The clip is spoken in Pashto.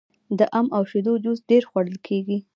د ام او شیدو جوس ډیر خوړل کیږي.